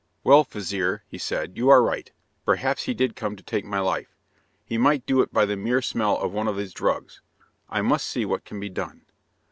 "Well, vizir," he said, "you are right. Perhaps he did come to take my life. He might do it by the mere smell of one of his drugs. I must see what can be done."